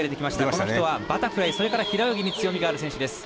この人はバタフライ、それから平泳ぎに強みがある選手です。